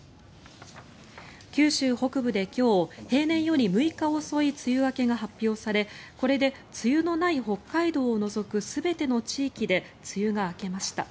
九州北部で今日平年より６日遅い梅雨明けが発表されこれで梅雨のない北海道を除く全ての地域で梅雨が明けました。